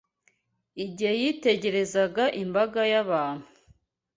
Igihe yitegerezaga imbaga y’abantu